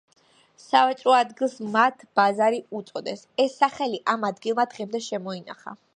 სავაჭრო ადგილს მათ ბაზარი უწოდეს, ეს სახელი ამ ადგილმა დღემდე შემოინახა.